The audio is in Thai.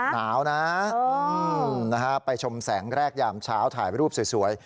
หนาวนะไปชมแสงแรกยามเช้าถ่ายรูปสวย